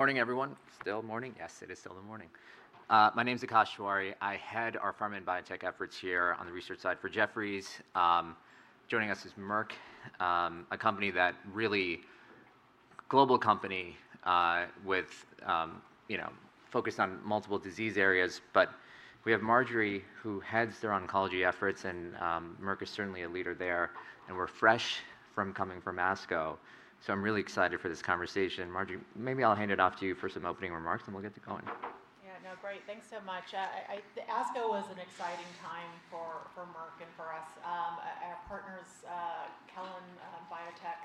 Morning, everyone. Still morning? Yes, it is still the morning. My name's Akash Tewari. I head our pharma and biotech efforts here on the research side for Jefferies. Joining us is Merck, a global company with focus on multiple disease areas. We have Marjorie, who heads their oncology efforts, and Merck is certainly a leader there. We're fresh from coming from ASCO, so I'm really excited for this conversation. Marjorie, maybe I'll hand it off to you for some opening remarks and we'll get to going. Yeah, no, great. Thanks so much. ASCO was an exciting time for Merck and for us. Our partners, Kelun-Biotech,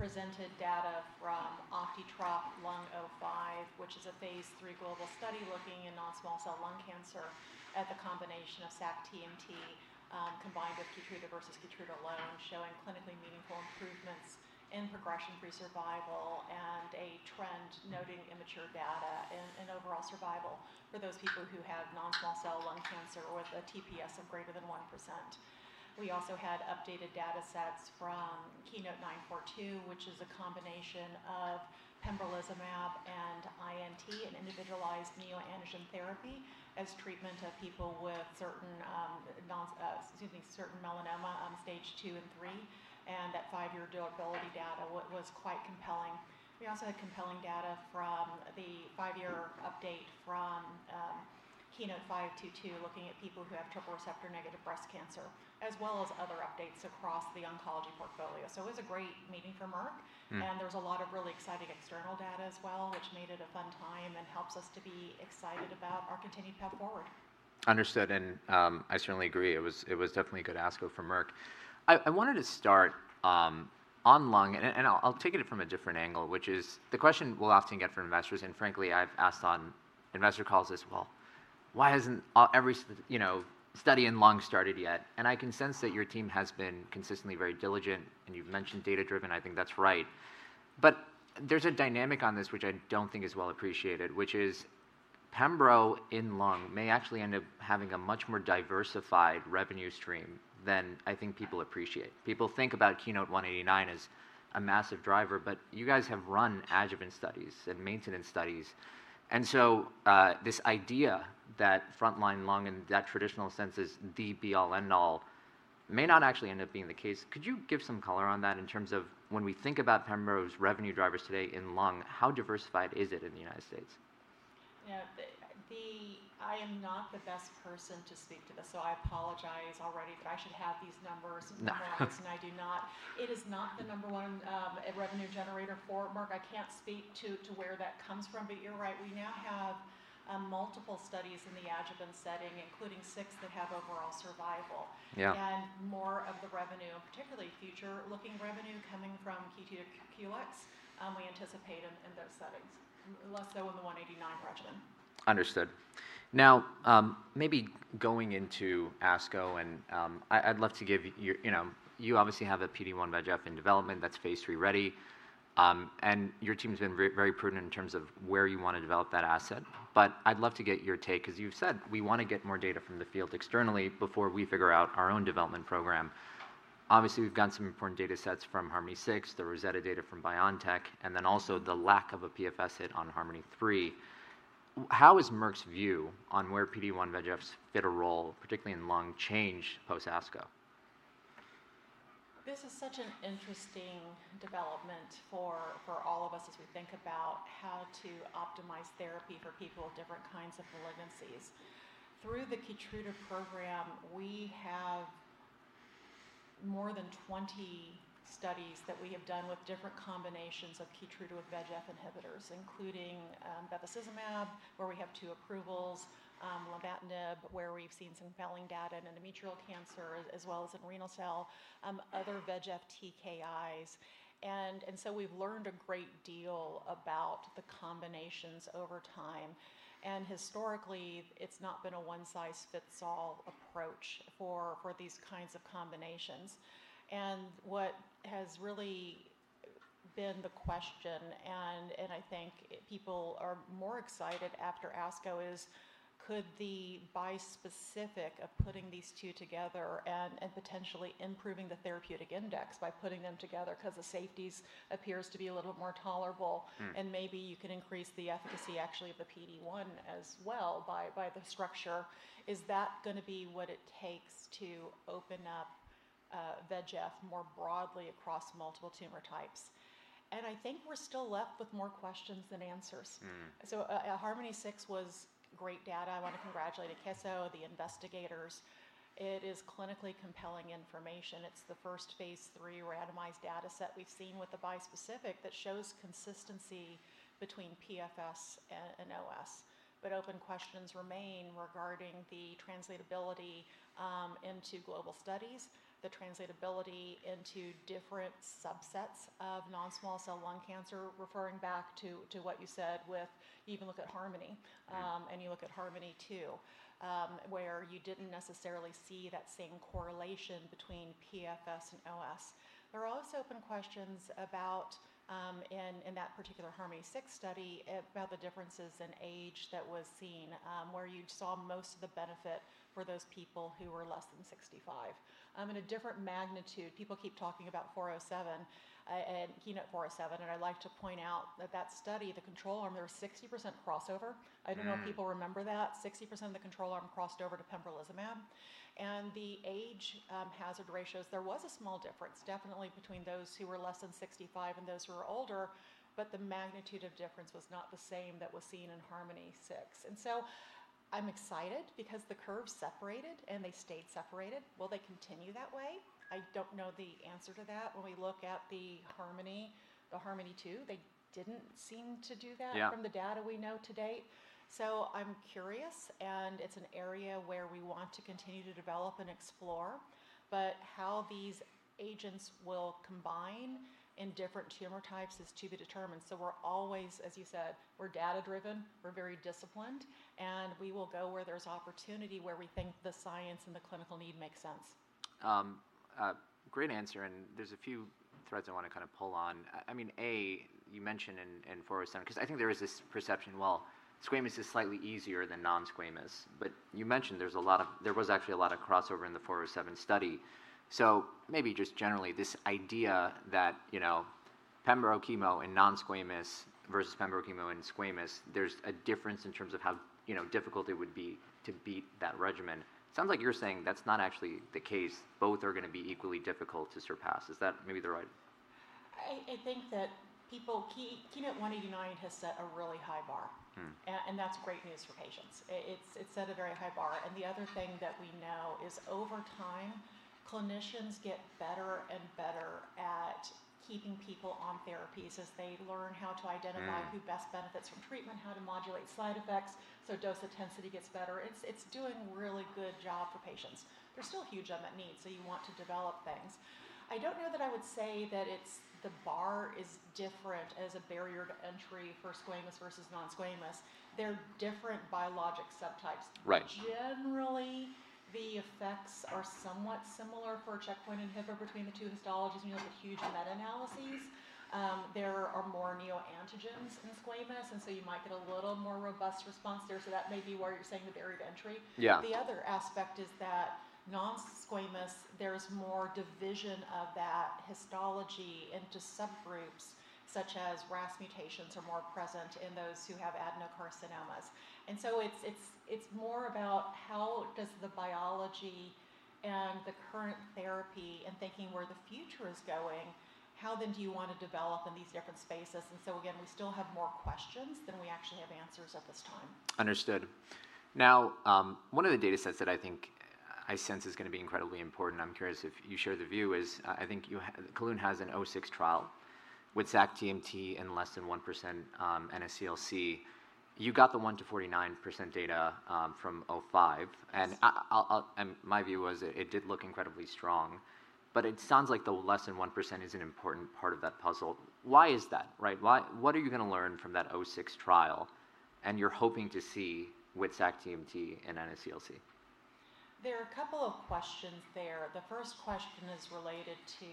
presented data from OptiTROP-Lung05, which is a phase III global study looking in non-small cell lung cancer at the combination of sac-TMT combined with KEYTRUDA versus KEYTRUDA alone, showing clinically meaningful improvements in progression-free survival and a trend noting immature data in overall survival for those people who have non-small cell lung cancer with a TPS of greater than 1%. We also had updated data sets from KEYNOTE-942, which is a combination of pembrolizumab and INT, an individualized neoantigen therapy as treatment of people with certain melanoma on stage two and three, and that five-year durability data was quite compelling. We also had compelling data from the five-year update from KEYNOTE-522, looking at people who have triple-negative breast cancer, as well as other updates across the oncology portfolio. It was a great meeting for Merck. There was a lot of really exciting external data as well, which made it a fun time and helps us to be excited about our continued path forward. Understood. I certainly agree. It was definitely a good ASCO for Merck. I wanted to start on lung, and I'll take it from a different angle, which is the question we'll often get from investors, and frankly, I've asked on investor calls as well. Why hasn't every study in lung started yet? I can sense that your team has been consistently very diligent, and you've mentioned data-driven. I think that's right. There's a dynamic on this which I don't think is well appreciated, which is pembro in lung may actually end up having a much more diversified revenue stream than I think people appreciate. People think about KEYNOTE-189 as a massive driver, but you guys have run adjuvant studies and maintenance studies. This idea that frontline lung in that traditional sense is the be all, end all may not actually end up being the case. Could you give some color on that in terms of when we think about pembro's revenue drivers today in lung, how diversified is it in the U.S.? Yeah. I am not the best person to speak to this, so I apologize already, but I should have these numbers and facts. No I do not. It is not the number one revenue generator for Merck. I can't speak to where that comes from. You're right, we now have multiple studies in the adjuvant setting, including six that have overall survival. Yeah. More of the revenue, particularly future-looking revenue coming from KEYTRUDA QLEX, we anticipate in those settings, less so in the 189 regimen. Understood. Now, maybe going into ASCO. You obviously have a PD-1/VEGF in development that's phase III-ready. Your team's been very prudent in terms of where you want to develop that asset. I'd love to get your take, because you've said we want to get more data from the field externally before we figure out our own development program. Obviously, we've got some important data sets from HARMONi-6, the ROSETTA data from BioNTech, and then also the lack of a PFS hit on HARMONi-3. How has Merck's view on where PD-1/VEGFs fit a role, particularly in lung change post ASCO? This is such an interesting development for all of us as we think about how to optimize therapy for people with different kinds of malignancies. Through the KEYTRUDA program, we have more than 20 studies that we have done with different combinations of KEYTRUDA with VEGF inhibitors, including bevacizumab, where we have two approvals. Lenvatinib, where we've seen some compelling data in endometrial cancer as well as in renal cell. Other VEGF TKIs. We've learned a great deal about the combinations over time. Historically, it's not been a one size fits all approach for these kinds of combinations. What has really been the question, and I think people are more excited after ASCO is could the bispecific of putting these two together and potentially improving the therapeutic index by putting them together because the safety appears to be a little more tolerable. Maybe you could increase the efficacy actually of the PD-1 as well by the structure. Is that going to be what it takes to open up VEGF more broadly across multiple tumor types? I think we're still left with more questions than answers. HARMONi-6 was great data. I want to congratulate Akeso, the investigators. It is clinically compelling information. It's the first phase III randomized data set we've seen with the bispecific that shows consistency between PFS and OS. Open questions remain regarding the translatability into global studies, the translatability into different subsets of non-small cell lung cancer, referring back to what you said with even look at HARMONi. Yeah. You look at HARMONi-2, where you didn't necessarily see that same correlation between PFS and OS. There are also open questions in that particular HARMONi-6 study about the differences in age that was seen, where you saw most of the benefit for those people who were less than 65. In a different magnitude, people keep talking about 407 and KEYNOTE-407. I'd like to point out that that study, the control arm, there was 60% crossover. I don't know if people remember that. 60% of the control arm crossed over to pembrolizumab. The age hazard ratios, there was a small difference definitely between those who were less than 65 and those who were older, but the magnitude of difference was not the same that was seen in HARMONi-6. I'm excited because the curves separated and they stayed separated. Will they continue that way? I don't know the answer to that. When we look at the HARMONi-2, they didn't seem to do that. Yeah From the data we know to date. I'm curious, and it's an area where we want to continue to develop and explore. How these agents will combine in different tumor types is to be determined. We're always, as you said, we're data-driven, we're very disciplined, and we will go where there's opportunity, where we think the science and the clinical need makes sense. Great answer. There's a few threads I want to pull on. A, you mentioned in 407, because I think there is this perception, well, squamous is slightly easier than non-squamous. You mentioned there was actually a lot of crossover in the 407 study. Maybe just generally this idea that pembro/chemo in non-squamous versus pembro/chemo in squamous, there's a difference in terms of how difficult it would be to beat that regimen. It sounds like you're saying that's not actually the case. Both are going to be equally difficult to surpass. Is that maybe the right? I think that KEYNOTE-189 has set a really high bar. That's great news for patients. It set a very high bar. The other thing that we know is over time, clinicians get better and better at keeping people on therapies as they learn how to identify who best benefits from treatment, how to modulate side effects, so dose intensity gets better. It's doing a really good job for patients. There's still a huge unmet need, so you want to develop things. I don't know that I would say that the bar is different as a barrier to entry for squamous versus non-squamous. They're different biologic subtypes. Right. Generally, the effects are somewhat similar for a checkpoint inhibitor between the two histologies. We look at huge meta-analyses. There are more neoantigens in squamous, and so you might get a little more robust response there. That may be where you're saying the barrier to entry. Yeah. The other aspect is that non-squamous, there's more division of that histology into subgroups, such as RAS mutations are more present in those who have adenocarcinomas. It's more about how does the biology and the current therapy and thinking where the future is going, how then do you want to develop in these different spaces? Again, we still have more questions than we actually have answers at this time. One of the data sets that I think I sense is going to be incredibly important, I'm curious if you share the view is I think Kelun has an 06 trial with sac-TMT in less than 1% NSCLC. You got the 1%-49% data from 05. Yes. My view was it did look incredibly strong, but it sounds like the less than 1% is an important part of that puzzle. Why is that? What are you going to learn from that 06 trial and you're hoping to see with sac-TMT in NSCLC? There are a couple of questions there. The first question is related to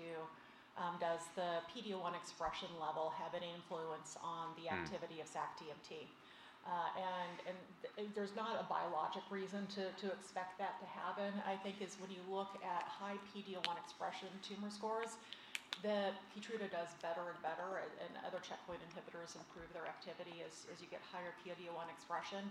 does the PD-L1 expression level have any influence on the activity of sac-TMT? There's not a biologic reason to expect that to happen. I think it's when you look at high PD-L1 expression tumor scores, that KEYTRUDA does better and better and other checkpoint inhibitors improve their activity as you get higher PD-L1 expression.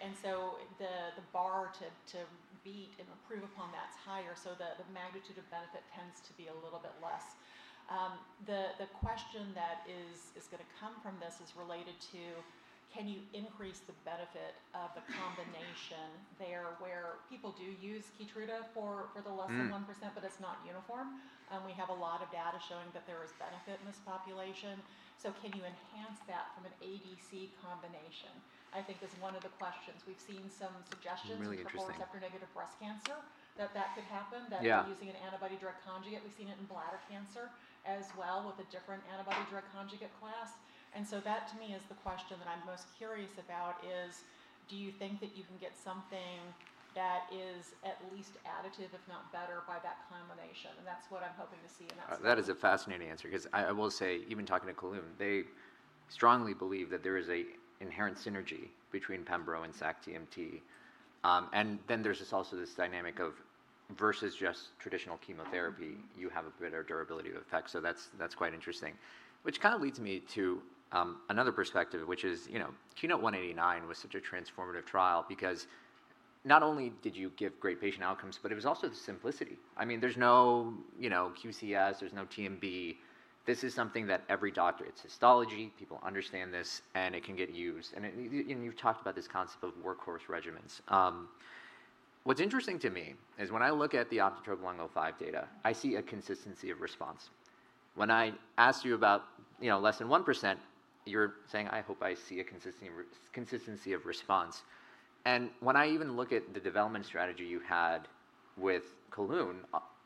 The bar to beat and improve upon that's higher, so the magnitude of benefit tends to be a little bit less. The question that is going to come from this is related to can you increase the benefit of a combination there where people do use KEYTRUDA for the less than 1% but it's not uniform? We have a lot of data showing that there is benefit in this population. Can you enhance that from an ADC combination, I think is one of the questions. We've seen some suggestions. Really interesting. For hormone receptor-negative breast cancer that could happen. Yeah That using an antibody drug conjugate, we've seen it in bladder cancer as well with a different antibody drug conjugate class. That to me is the question that I'm most curious about is do you think that you can get something that is at least additive, if not better by that combination? That's what I'm hoping to see in that study. That is a fascinating answer because I will say even talking to Kelun, they strongly believe that there is an inherent synergy between pembro and sac-TMT. There's just also this dynamic of versus just traditional chemotherapy, you have a better durability of effect. That's quite interesting. Which leads me to another perspective, which is KEYNOTE-189 was such a transformative trial because not only did you give great patient outcomes, but it was also the simplicity. There's no QCS, there's no TMB. This is something that every doctor, it's histology, people understand this, and it can get used. You've talked about this concept of workhorse regimens. What's interesting to me is when I look at the OptiTROP-Lung05 data, I see a consistency of response. When I asked you about less than 1%, you're saying, "I hope I see a consistency of response." When I even look at the development strategy you had with Kelun,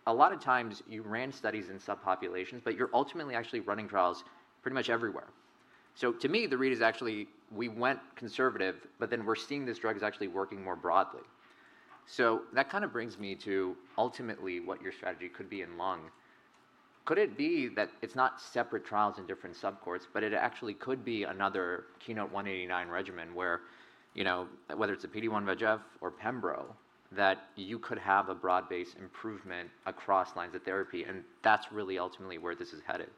a lot of times you ran studies in subpopulations, but you're ultimately actually running trials pretty much everywhere. To me, the read is actually we went conservative, but then we're seeing this drug is actually working more broadly. That brings me to ultimately what your strategy could be in lung. Could it be that it's not separate trials in different subcourts, but it actually could be another KEYNOTE-189 regimen where whether it's a PD-1, VEGF, or pembro, that you could have a broad-based improvement across lines of therapy, and that's really ultimately where this is headed?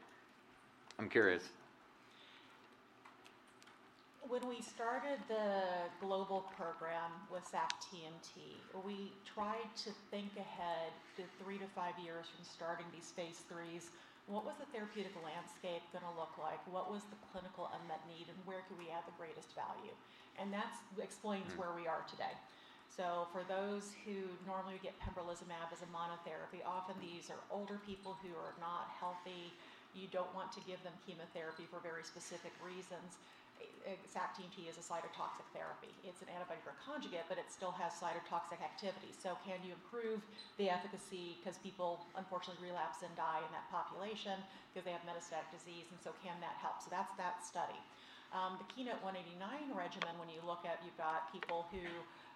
I'm curious. When we started the global program with sac-TMT, we tried to think ahead to three to five years from starting these phase III's. What was the therapeutic landscape going to look like? What was the clinical unmet need, and where could we add the greatest value? That explains where we are today. For those who normally would get pembrolizumab as a monotherapy, often these are older people who are not healthy. You don't want to give them chemotherapy for very specific reasons. Sac-TMT is a cytotoxic therapy. It's an antibody drug conjugate, but it still has cytotoxic activity. Can you improve the efficacy because people unfortunately relapse and die in that population because they have metastatic disease, and so can that help? That's that study. The KEYNOTE-189 regimen, when you look at it, you've got people who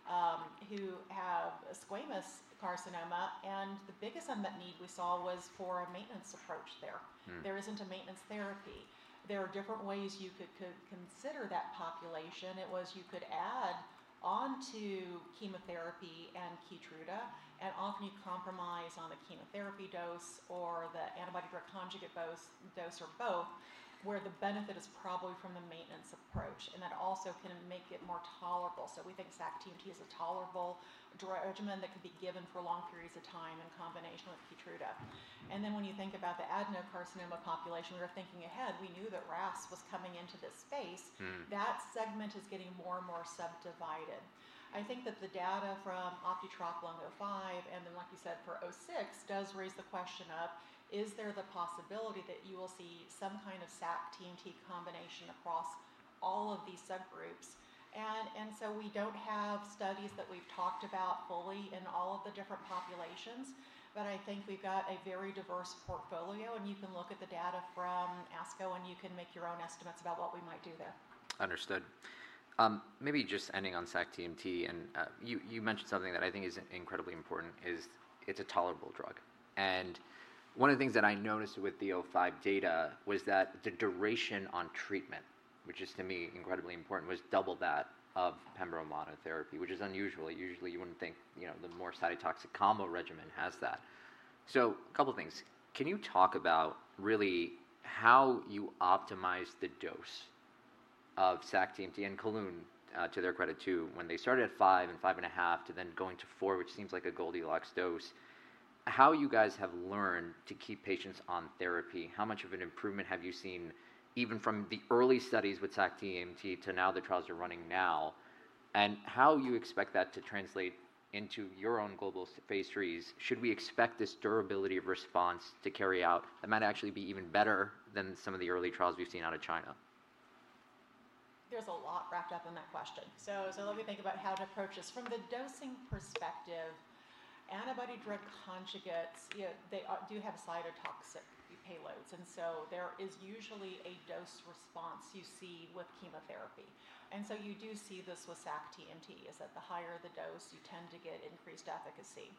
have squamous carcinoma. The biggest unmet need we saw was for a maintenance approach there. There isn't a maintenance therapy. There are different ways you could consider that population. You could add onto chemotherapy and KEYTRUDA, often you compromise on the chemotherapy dose or the antibody drug conjugate dose, or both, where the benefit is probably from the maintenance approach. That also can make it more tolerable. We think sac-TMT is a tolerable drug regimen that could be given for long periods of time in combination with KEYTRUDA. When you think about the adenocarcinoma population, we were thinking ahead. We knew that RAS was coming into this space. That segment is getting more and more subdivided. I think that the data from OptiTROP-Lung05 and then, like you said, for 06 does raise the question up, is there the possibility that you will see some kind of sac-TMT combination across all of these subgroups? We don't have studies that we've talked about fully in all of the different populations, but I think we've got a very diverse portfolio, and you can look at the data from ASCO and you can make your own estimates about what we might do there. Understood. Maybe just ending on sac-TMT, you mentioned something that I think is incredibly important, is it's a tolerable drug. One of the things that I noticed with the 05 data was that the duration on treatment, which is to me incredibly important, was double that of pembro monotherapy, which is unusual. Usually, you wouldn't think the more cytotoxic combo regimen has that. A couple of things. Can you talk about really how you optimize the dose of sac-TMT? Kelun, to their credit too, when they started at five and 5.5 to then going to four, which seems like a Goldilocks dose, how you guys have learned to keep patients on therapy. How much of an improvement have you seen, even from the early studies with sac-TMT to now the trials are running now? How you expect that to translate into your own global phase III's. Should we expect this durability of response to carry out that might actually be even better than some of the early trials we've seen out of China? There's a lot wrapped up in that question. Let me think about how to approach this. From the dosing perspective, antibody-drug conjugates, they do have cytotoxic payloads, there is usually a dose response you see with chemotherapy. You do see this with sac-TMT, is that the higher the dose, you tend to get increased efficacy.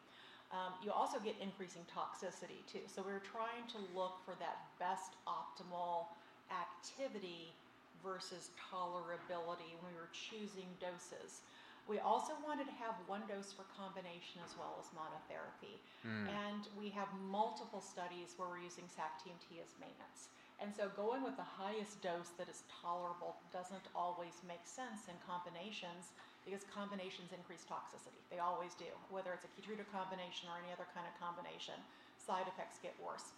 You also get increasing toxicity, too. We're trying to look for that best optimal activity versus tolerability when we were choosing doses. We also wanted to have one dose for combination as well as monotherapy. We have multiple studies where we're using sac-TMT as maintenance. Going with the highest dose that is tolerable doesn't always make sense in combinations because combinations increase toxicity. They always do. Whether it's a KEYTRUDA combination or any other kind of combination, side effects get worse.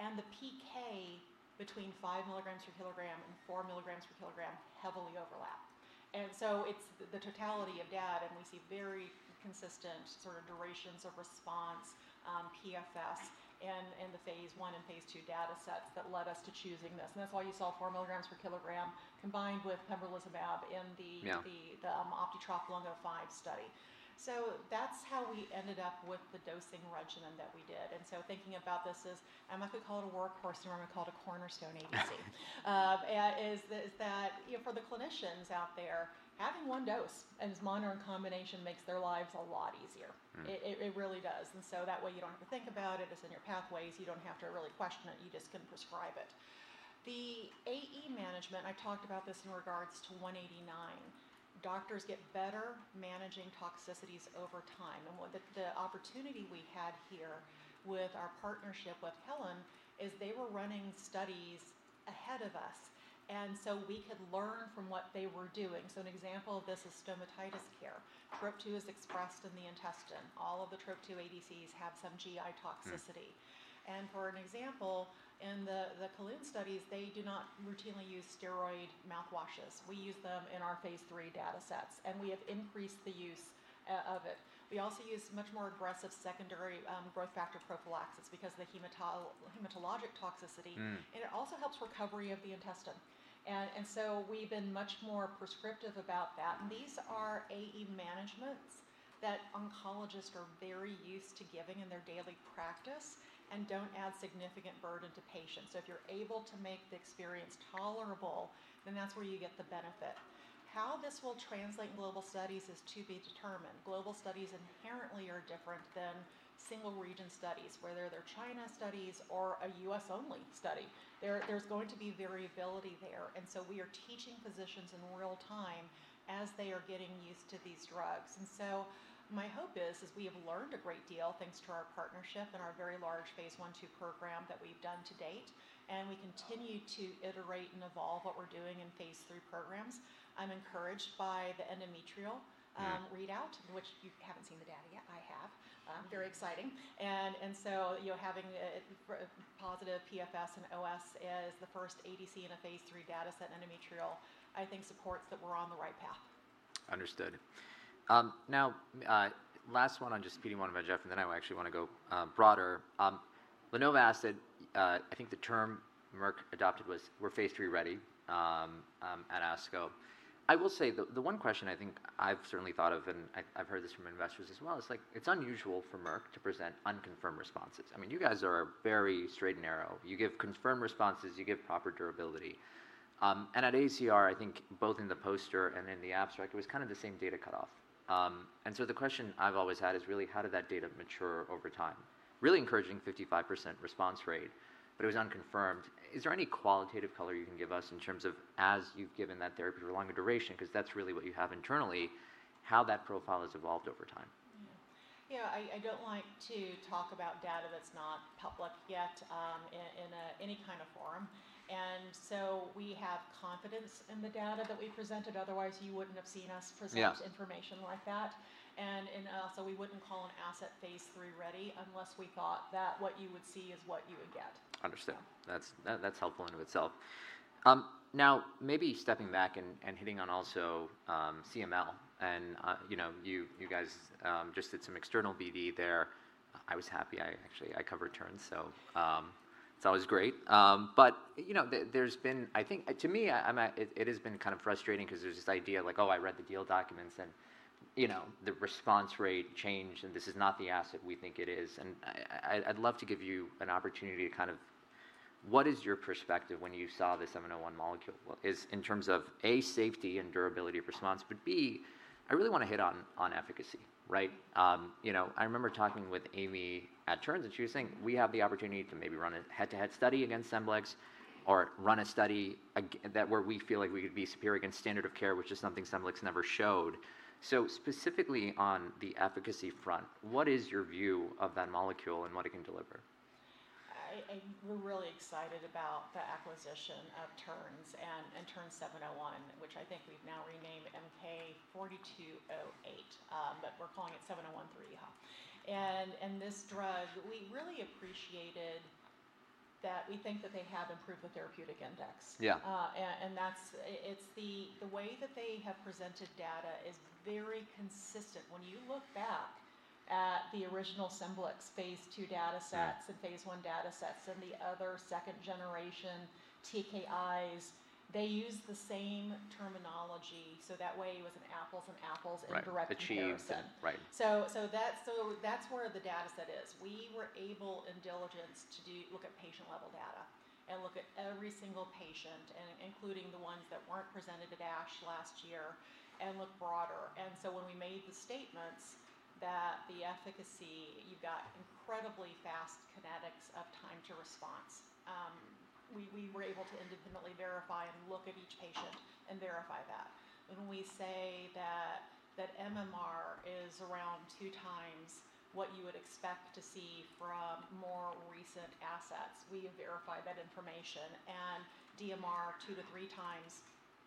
The PK between 5 mg/kg and 4 mg/kg heavily overlap. It's the totality of data, and we see very consistent sort of durations of response, PFS in the phase I and phase II data sets that led us to choosing this. That's why you saw 4 mg/kg combined with pembrolizumab in the OptiTROP-Lung05 study. That's how we ended up with the dosing regimen that we did. Thinking about this as, I'm not going to call it a workhorse, I'm going to call it a cornerstone ADC. Is that for the clinicians out there, having one dose as mono in combination makes their lives a lot easier. It really does. That way you don't have to think about it. It's in your pathways. You don't have to really question it. You just can prescribe it. The AE management, I talked about this in regards to 189. Doctors get better managing toxicities over time. The opportunity we had here with our partnership with Kelun is they were running studies ahead of us, so we could learn from what they were doing. An example of this is stomatitis care. TROP2 is expressed in the intestine. All of the TROP2 ADCs have some GI toxicity. For an example, in the Kelun studies, they do not routinely use steroid mouthwashes. We use them in our phase III data sets, and we have increased the use of it. We also use much more aggressive secondary growth factor prophylaxis because of the hematologic toxicity. It also helps recovery of the intestine. We've been much more prescriptive about that. These are AE managements that oncologists are very used to giving in their daily practice and don't add significant burden to patients. If you're able to make the experience tolerable, then that's where you get the benefit. How this will translate in global studies is to be determined. Global studies inherently are different than single-region studies, whether they're China studies or a U.S.-only study. There's going to be variability there. We are teaching physicians in real time as they are getting used to these drugs. My hope is we have learned a great deal thanks to our partnership and our very large phase I/II program that we've done to date, and we continue to iterate and evolve what we're doing in phase III programs. I'm encouraged by the endometrial readout, which you haven't seen the data yet, I have. Very exciting. Having a positive PFS in OS is the first ADC in a phase III data set in endometrial, I think supports that we're on the right path. Understood. Last one on just feeding one of my Jefferies, and then I actually want to go broader. [Lenova] said, I think the term Merck adopted was we're phase III-ready at ASCO. I will say, the one question I think I've certainly thought of, and I've heard this from investors as well, it's unusual for Merck to present unconfirmed responses. You guys are very straight and narrow. You give confirmed responses, you give proper durability. At AACR, I think both in the poster and in the abstract, it was the same data cutoff. The question I've always had is really how did that data mature over time? Really encouraging 55% response rate, but it was unconfirmed. Is there any qualitative color you can give us in terms of as you've given that therapy for longer duration, because that's really what you have internally, how that profile has evolved over time? Yeah. I don't like to talk about data that's not public yet in any kind of forum. We have confidence in the data that we presented, otherwise you wouldn't have seen us present. Yeah information like that. Also we wouldn't call an asset phase III-ready unless we thought that what you would see is what you would get. Understood. That's helpful in of itself. Maybe stepping back and hitting on also CML, you guys just did some external BD there. I was happy. I actually covered Terns, so it's always great. To me, it has been kind of frustrating because there's this idea like, oh, I read the deal documents and the response rate changed and this is not the asset we think it is. I'd love to give you an opportunity to kind of, what is your perspective when you saw this 701 molecule? In terms of, A, safety and durability of response, but B, I really want to hit on efficacy. I remember talking with Amy at Terns. She was saying we have the opportunity to maybe run a head-to-head study against SCEMBLIX or run a study where we feel like we could be superior against standard of care, which is something SCEMBLIX never showed. Specifically on the efficacy front, what is your view of that molecule and what it can deliver? We're really excited about the acquisition of Terns and TERN-701, which I think we've now renamed MK-4208, but we're calling it 7013 now. This drug, we really appreciated that we think that they have improved the therapeutic index. Yeah. The way that they have presented data is very consistent. When you look back at the original SCEMBLIX phase II data sets and phase I data sets and the other second-generation TKIs, they use the same terminology, that way it was an apples from apples and direct comparison. Achieved. Right. That's where the data set is. We were able, in diligence, to look at patient-level data and look at every single patient, including the ones that weren't presented at ASH last year and look broader. When we made the statements that the efficacy, you've got incredibly fast kinetics of time to response. We were able to independently verify and look at each patient and verify that. When we say that MMR is around two times what you would expect to see from more recent assets, we have verified that information, and DMR two to three times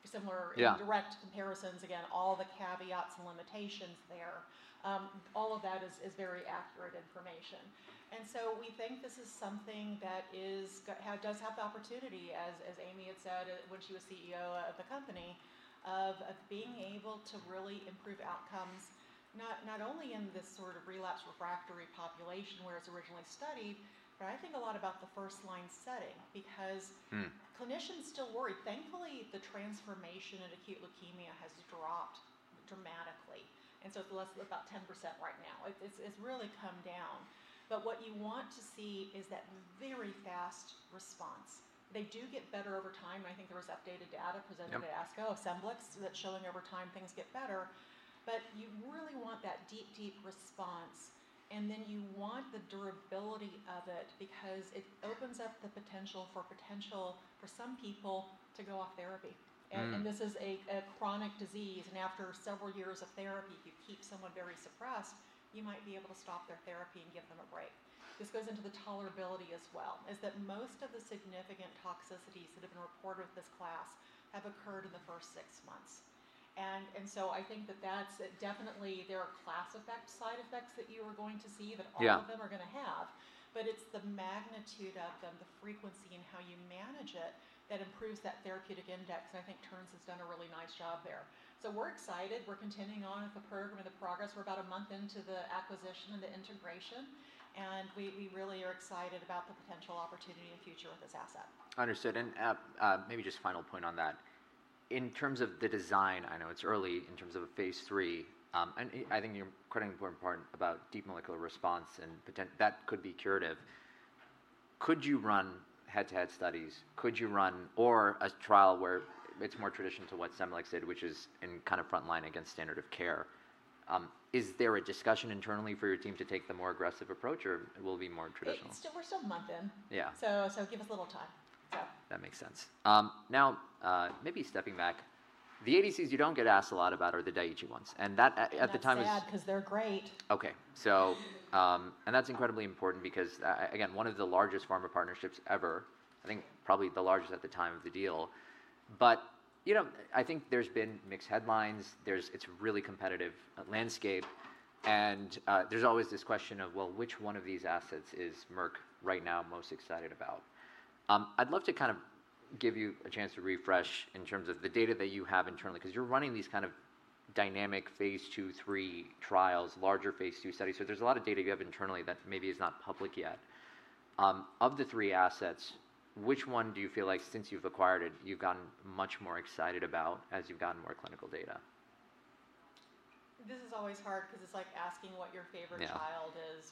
similar. Yeah In direct comparisons. Again, all the caveats and limitations there. All of that is very accurate information. We think this is something that does have the opportunity, as Amy had said when she was CEO of the company, of being able to really improve outcomes, not only in this sort of relapsed/refractory population where it's originally studied, but I think a lot about the first-line setting because clinicians still worry. Thankfully, the transformation in blast crisis has dropped dramatically. It's less about 10% right now. It's really come down. What you want to see is that very fast response. They do get better over time. I think there was updated data presented at ASCO, SCEMBLIX, that's showing over time things get better. You really want that deep response, and then you want the durability of it because it opens up the potential for some people to go off therapy. This is a chronic disease, and after several years of therapy, if you keep someone very suppressed, you might be able to stop their therapy and give them a break. This goes into the tolerability as well, is that most of the significant toxicities that have been reported with this class have occurred in the first six months. I think that that's definitely there are class effect side effects that you are going to see that. Yeah All of them are going to have. It's the magnitude of them, the frequency, and how you manage it that improves that therapeutic index, and I think Terns has done a really nice job there. We're excited. We're continuing on with the program and the progress. We're about a month into the acquisition and the integration, and we really are excited about the potential opportunity and future with this asset. Understood. Maybe just a final point on that. In terms of the design, I know it's early in terms of a phase III, and I think you're incredibly important about deep molecular response and that could be curative. Could you run head-to-head studies? Could you run or a trial where it's more traditional to what SCEMBLIX did, which is in kind of frontline against standard of care? Is there a discussion internally for your team to take the more aggressive approach, or it will be more traditional? We're still a month in. Yeah. Give us a little time. Yeah. That makes sense. Now, maybe stepping back, the ADCs you don't get asked a lot about are the Daiichi ones, and that at the time is. That's sad because they're great. Okay. That's incredibly important because, again, one of the largest pharma partnerships ever, I think probably the largest at the time of the deal. I think there's been mixed headlines. It's a really competitive landscape, and there's always this question of, well, which one of these assets is Merck right now most excited about? I'd love to give you a chance to refresh in terms of the data that you have internally, because you're running these kind of dynamic phase II, III trials, larger phase II studies. There's a lot of data you have internally that maybe is not public yet. Of the three assets, which one do you feel like since you've acquired it, you've gotten much more excited about as you've gotten more clinical data? This is always hard because it's like asking what your favorite child is.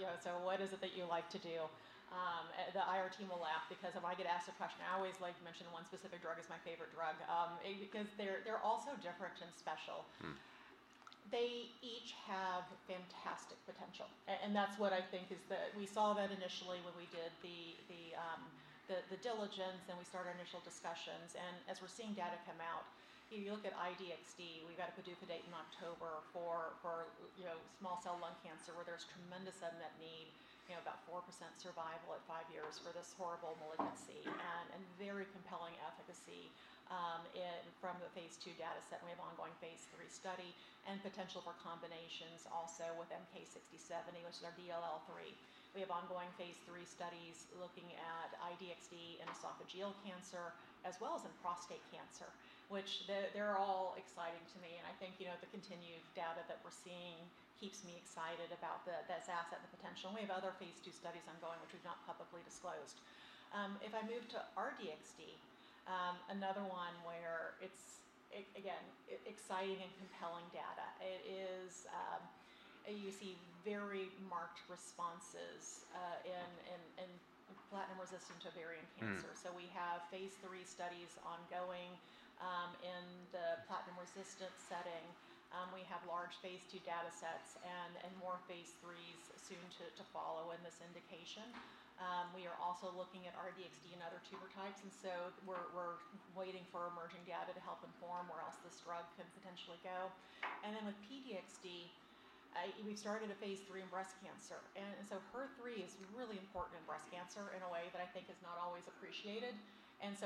Yeah. What is it that you like to do? The IR team will laugh because if I get asked a question, I always like to mention one specific drug as my favorite drug, because they're all so different and special. They each have fantastic potential. We saw that initially when we did the diligence and we started initial discussions. As we're seeing data come out, if you look at I-DXd, we've got a PDUFA date in October for small cell lung cancer, where there's tremendous unmet need, about 4% survival at five years for this horrible malignancy, and very compelling efficacy from the phase II data set. We have ongoing phase III study and potential for combinations also with MK-6070, which is our DLL3. We have ongoing phase III studies looking at I-DXd in esophageal cancer as well as in prostate cancer, which they're all exciting to me. I think the continued data that we're seeing keeps me excited about this asset and the potential. We have other phase II studies ongoing, which we've not publicly disclosed. I move to R-DXd, another one where it's, again, exciting and compelling data. You see very marked responses in platinum-resistant ovarian cancer. We have phase III studies ongoing in the platinum-resistant setting. We have large phase II data sets and more phase III's soon to follow in this indication. We are also looking at R-DXd in other tumor types, we're waiting for emerging data to help inform where else this drug could potentially go. With P-DXd, we've started a phase III in breast cancer. HER3 is really important in breast cancer in a way that I think is not always appreciated.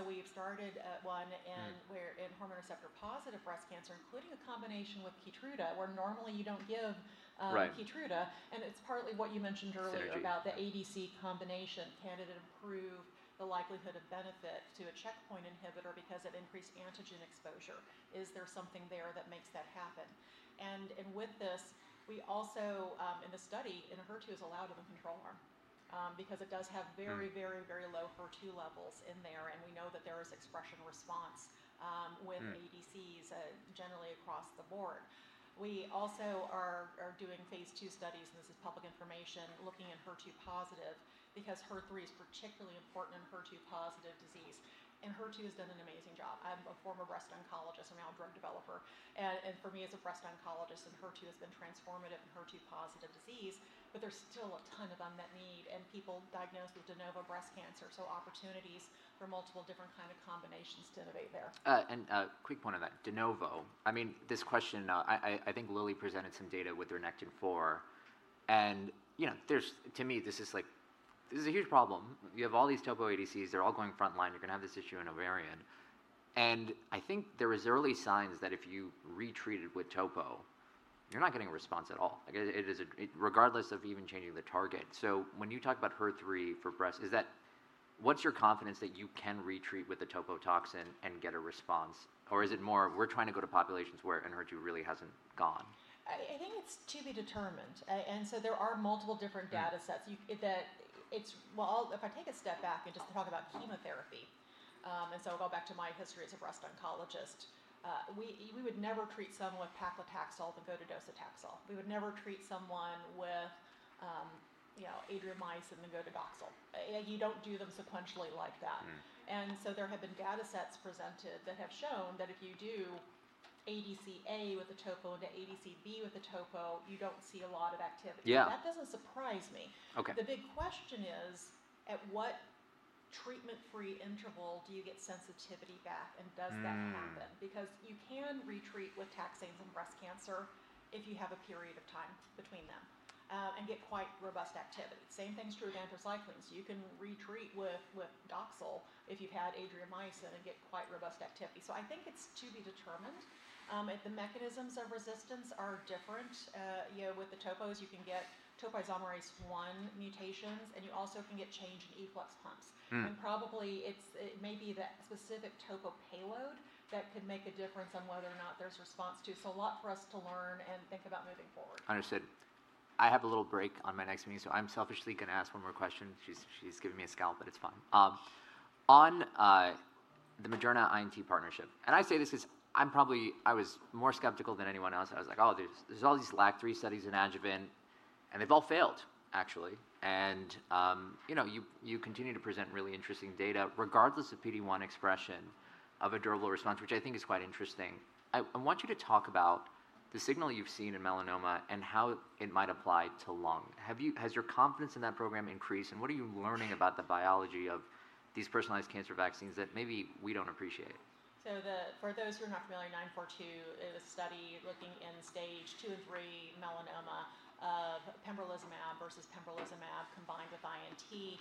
We've started one. in hormone receptor-positive breast cancer, including a combination with KEYTRUDA, where normally you don't give KEYTRUDA. Right. It's partly what you mentioned earlier. Synergy About the ADC combination. Can it improve the likelihood of benefit to a checkpoint inhibitor because it increased antigen exposure? Is there something there that makes that happen? With this, we also in the study, and HER2 is allowed in the control arm because it does have very very low HER2 levels in there, and we know that there is expression response with ADCs generally across the board. We also are doing phase II studies, and this is public information, looking at HER2-positive because HER3 is particularly important in HER2-positive disease. HER2 has done an amazing job. I'm a former breast oncologist and now a drug developer. For me as a breast oncologist and HER2 has been transformative in HER2-positive disease, but there's still a ton of unmet need and people diagnosed with de novo breast cancer. Opportunities for multiple different kind of combinations to innovate there. A quick point on that, de novo. This question, I think Lilly presented some data with Nectin-4, and to me this is a huge problem. You have all these topo ADCs, they're all going frontline, you're going to have this issue in ovarian. I think there is early signs that if you re-treated with topo, you're not getting a response at all, regardless of even changing the target. When you talk about HER3 for breast, what's your confidence that you can re-treat with the topo toxin and get a response? Is it more we're trying to go to populations where an HER2 really hasn't gone? I think it's to be determined. There are multiple different data sets. If I take a step back and just talk about chemotherapy, and so go back to my history as a breast oncologist, we would never treat someone with paclitaxel that go to docetaxel. We would never treat someone with Adriamycin then go to Doxil. You don't do them sequentially like that. There have been data sets presented that have shown that if you do ADCA with a topo into ADCB with a topo, you don't see a lot of activity. Yeah. That doesn't surprise me. Okay. The big question is, at what treatment-free interval do you get sensitivity back, and does that happen? Because you can re-treat with taxanes in breast cancer if you have a period of time between them and get quite robust activity. Same thing's true with anthracyclines. You can re-treat with Doxil if you've had Adriamycin and get quite robust activity. I think it's to be determined. If the mechanisms of resistance are different, with the topos you can get topoisomerase I mutations, and you also can get change in efflux pumps. Probably it may be that specific topoisomerase payload that could make a difference on whether or not there's response to. A lot for us to learn and think about moving forward. Understood. I have a little break on my next meeting. I'm selfishly going to ask one more question. She's giving me a scowl. It's fine. On the Moderna INT partnership. I say this because I was more skeptical than anyone else. I was like, Oh, there's all these LAG-3 studies in adjuvant, and they've all failed, actually. You continue to present really interesting data regardless of PD-1 expression of a durable response, which I think is quite interesting. I want you to talk about the signal you've seen in melanoma and how it might apply to lung. Has your confidence in that program increased, and what are you learning about the biology of these personalized cancer vaccines that maybe we don't appreciate? For those who are not familiar, 942 is a study looking in stage two or three melanoma of pembrolizumab versus pembrolizumab combined with INT.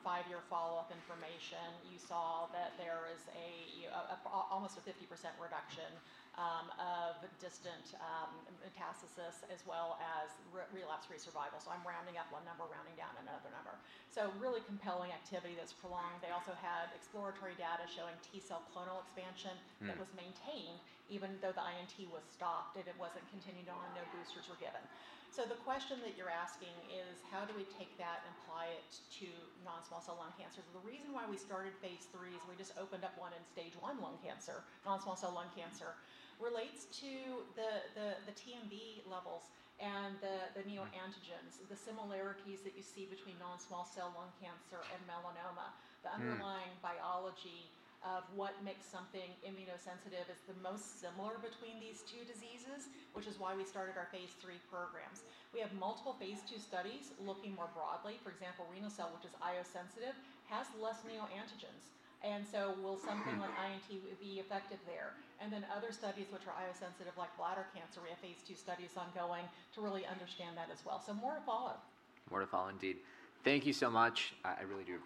Five-year follow-up information, you saw that there is almost a 50% reduction of distant metastasis as well as relapse-free survival. I'm rounding up one number, rounding down another number. Really compelling activity that's prolonged. They also had exploratory data showing T cell clonal expansion that was maintained even though the INT was stopped, and it wasn't continued on, no boosters were given. The question that you're asking is: how do we take that and apply it to non-small cell lung cancer? The reason why we started phase III is we just opened up one in stage 1 lung cancer, non-small cell lung cancer, relates to the TMB levels and the neoantigens, the similarities that you see between non-small cell lung cancer and melanoma. The underlying biology of what makes something immunosuppensitive is the most similar between these two diseases, which is why we started our phase III programs. We have multiple phase II studies looking more broadly. For example, renal cell, which is IO sensitive, has less neoantigens. Will something like INT be effective there? Other studies which are IO sensitive, like bladder cancer, we have phase II studies ongoing to really understand that as well. More to follow. More to follow indeed. Thank you so much. I really do appreciate it.